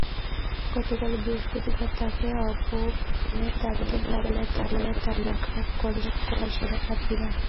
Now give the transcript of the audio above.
গতকাল বৃহস্পতিবার তাঁকে অপসারণের দাবিতে বিদ্যালয়ে তালা দিয়ে বিক্ষোভ করে শিক্ষার্থীরা।